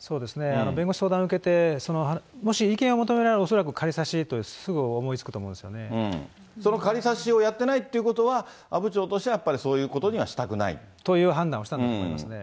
そうですね、弁護士、相談を受けて、もし意見を求められれば、恐らく仮差しって、その仮差しをやってないということは、阿武町としてはそういうことにはしたくないと？という判断をしたんだと思いますね。